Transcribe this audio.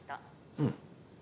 うん。